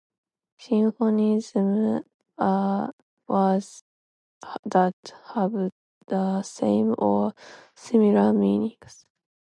Synonyms are words that have the same or similar meanings.